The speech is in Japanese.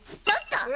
ちょっと！